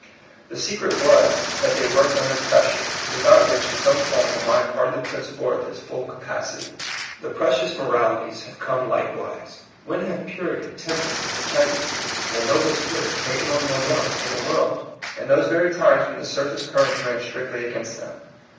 The secret was, that they worked under pressure, without which in some form the mind hardly puts forth its full capacity. The precious moralities have come like* wise. When have purity, temperance, in tegrity, and a noble public spirit taken on momentum in the world? In those very times when the surface currents ran strictly against them.